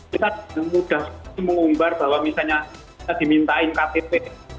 kita sudah mengumbar bahwa misalnya kita dimintain ktp